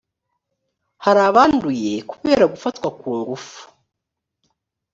hari abanduye kubera gufatwa ku ngufu .